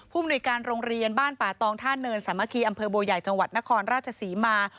มนุยการโรงเรียนบ้านป่าตองท่าเนินสามัคคีอำเภอบัวใหญ่จังหวัดนครราชศรีมา